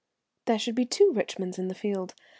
"There should be two Richmonds in the field!